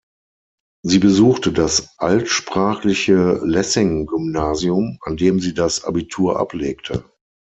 Sie besuchte das altsprachliche Lessing-Gymnasium, an dem sie das Abitur ablegte.